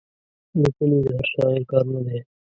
لیکل یې د هر شاعر کار نه دی.